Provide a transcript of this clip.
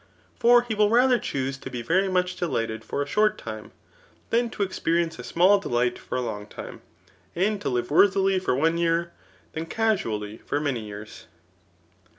For he will rather choose to be very much de^ Ughted for a short time, than to experience a small delight for a long time, and to live worthily for one year, than casually for many years.